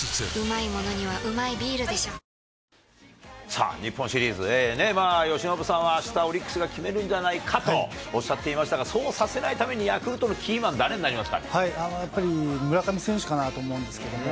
さあ、日本シリーズね、まあ、由伸さんはあしたオリックスが決めるんじゃないかとおっしゃっていましたが、そうさせないために、ヤクルトのキーマン、誰になりま